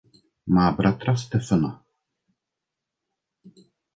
Má bratra Stephena.